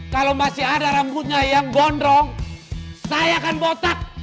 kalau masih ada rambutnya yang bondrong saya akan botak